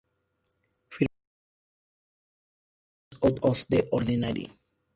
Firmó algunos de sus trabajos con el alias "Out Of The Ordinary".